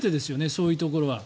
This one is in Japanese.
そういうところは。